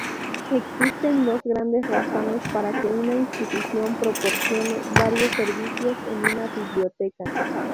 Existen dos grandes razones para que una institución proporcione varios servicios en una biblioteca.